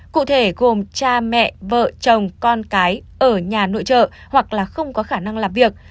cụ thể gồm cha mẹ vợ chồng con cái ở nhà nội trợ hoặc là không có khả năng làm việc